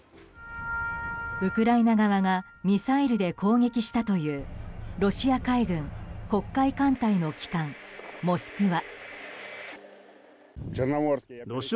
ウクライナ側がミサイルで攻撃したというロシア海軍黒海艦隊の旗艦「モスクワ」。